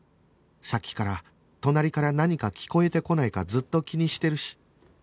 さっきから隣から何か聞こえてこないかずっと気にしてるし